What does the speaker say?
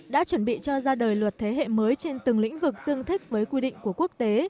đã chuẩn bị cho ra đời luật thế hệ mới trên từng lĩnh vực tương thích với quy định của quốc tế